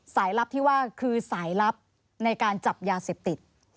ลับที่ว่าคือสายลับในการจับยาเสพติด